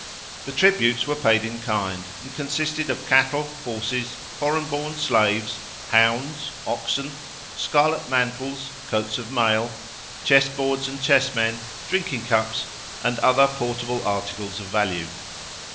The tributes were paid in kind, and consisted of cattle, horses, foreign born slaves, hounds, oxen, scarlet mantles, coats of mail, chess boards and chess men, drinking cups, and other portable articles of value.